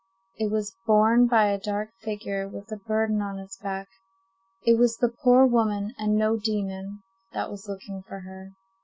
it was borne by a dark figure, with a burden on its back: it was the poor woman, and no demon, that was looking for her!